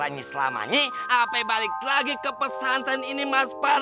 oh semuanya tidak perlu was was